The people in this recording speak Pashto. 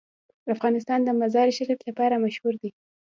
افغانستان د مزارشریف لپاره مشهور دی.